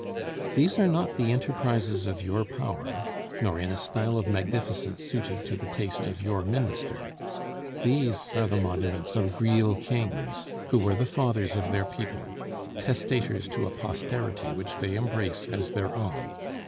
These are not the enterprises of your power, nor in a style of magnificence suited to the taste of your minister. These are the monuments of real kings, who were the fathers of their people; testators to a posterity which they embrace as their own.